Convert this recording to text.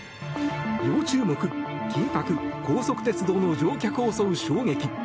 要注目、緊迫高速鉄道の乗客を襲う衝撃。